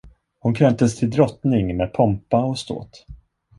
Hon kröntes till drottning med pompa och ståt.